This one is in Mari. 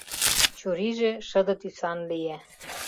Чурийже шыде тӱсан лие.